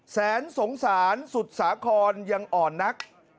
แสนสงสารสุดสาครยังอ่อนนัก